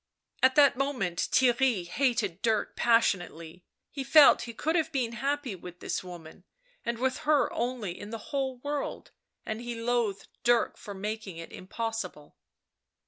At that moment Theirry hated Dirk passionately; he felt he could have been happy with this woman, and with her only in the whole world, and he loathed Dirk for making it impossible.